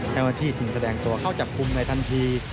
แทนวัฒิถึงแสดงตัวเข้าจับคุมในทันที